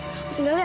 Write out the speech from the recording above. aku tinggal ya